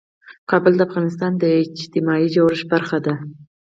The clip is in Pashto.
کابل د افغانستان د اجتماعي جوړښت برخه ده.